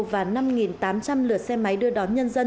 và năm tám trăm linh lượt xe máy đưa đón nhân dân